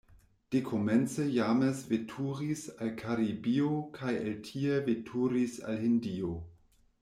Dekomence James veturis al Karibio kaj el tie veturis al Hindio.